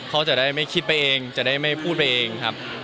เขาจะได้ไม่คิดไปเองจะได้ไม่พูดไปเองครับ